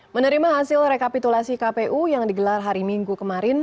menerima hasil rekapitulasi kpu yang digelar hari minggu kemarin